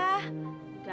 kayu jangan banyak tanya